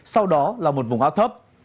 sau đó là một vùng áp thấp